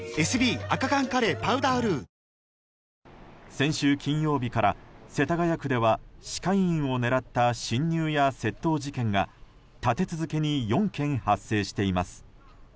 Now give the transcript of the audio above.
先週金曜日から世田谷区では歯科医院を狙った侵入や窃盗事件が立て続けに４件発生しています。